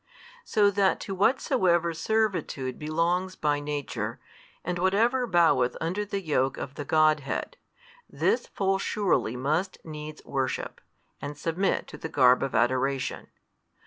So that to whatsoever servitude belongs by nature, and whatever boweth under the yoke of the Godhead, this full surely must needs worship, and submit to the garb of adoration.